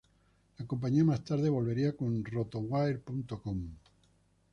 La compañía más tarde volvería como RotoWire.com.